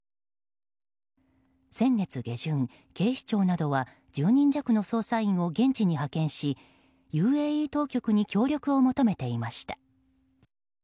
先月下旬、警視庁などは１０人弱の捜査員を現地に派遣し、ＵＡＥ当局に協力を求めていました。